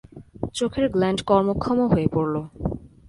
চোখের গ্ল্যাণ্ড কর্মক্ষম হয়ে পড়ল।